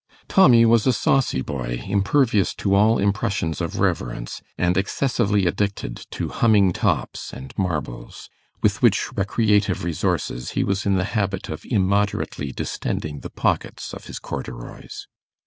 Tommy was a saucy boy, impervious to all impressions of reverence, and excessively addicted to humming tops and marbles, with which recreative resources he was in the habit of immoderately distending the pockets of his corduroys.